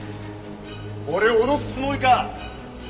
俺を脅すつもりか？